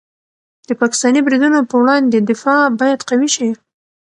د پاکستاني بریدونو په وړاندې دفاع باید قوي شي.